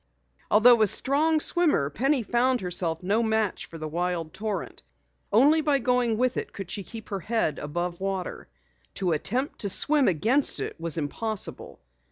Although a strong swimmer, Penny found herself no match for the wild torrent. Only by going with it could she keep her head above water. To attempt to swim against it was impossible.